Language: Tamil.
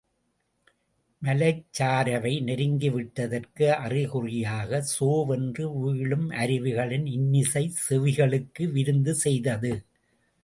மலைச்சாரவை நெருங்கிவிட்டதற்கு அறிகுறியாகச் சோ வென்று வீழும் அருவிகளின் இன்னிசை செவிகளுக்கு விருந்து செய்தது.